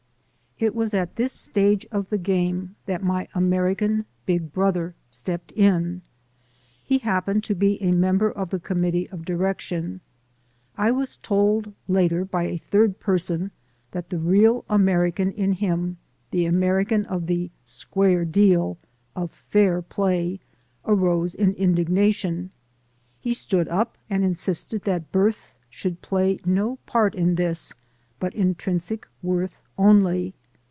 It was at this stage of the game that my American "Big Brother" stepped in. He happened to be a member of the committee of direction. I was told later by a third person that the real American in him, the American of the "square deal," of "fair play" arose in indignation. He stood up and in sisted that birth should play no part in this, but intrinsic worth only.